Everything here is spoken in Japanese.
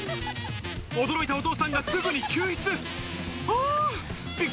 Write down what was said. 驚いたお父さんがすぐに救出。